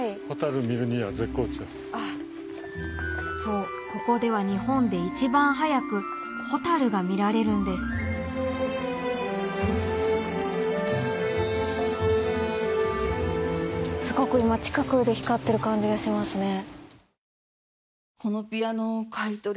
そうここでは日本で一番早くホタルが見られるんですすごく今近くで光ってる感じがしますね。